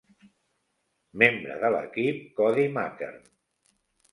Membre de l'equip Cody Mattern.